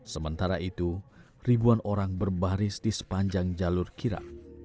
sementara itu ribuan orang berbaris di sepanjang jalur kirap